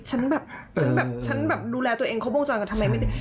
ฉันแบบดูแลตัวเองครบวงจรกันทำไมไม่ตี